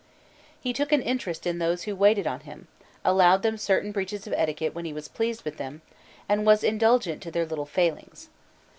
He took an interest in those who waited on him, allowed them certain breaches of etiquette when he was pleased with them, and was indulgent to their little failings.